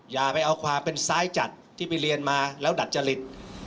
อย่าไปเอาความเป็นซ้ายจัดที่ไปเรียนมาแล้วดัดจริต